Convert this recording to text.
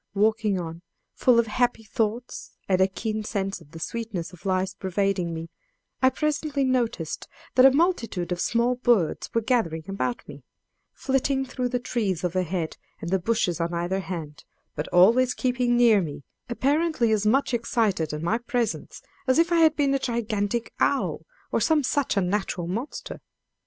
Walking on full of happy thoughts and a keen sense of the sweetness of life pervading me, I presently noticed that a multitude of small birds were gathering about me, flitting through the trees overhead and the bushes on either hand, but always keeping near me, apparently as much excited at my presence as if I had been a gigantic owl, or some such unnatural monster.